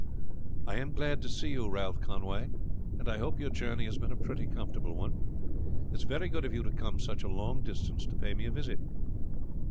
"I am glad to see you, Ralph Conway; and I hope your journey has been a pretty comfortable one. It is very good of you to come such a long distance to pay me a visit."